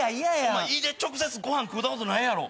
お前胃で直接ご飯食うたことないやろ。